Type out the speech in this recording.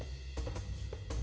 jangan lupa subscribe channel kien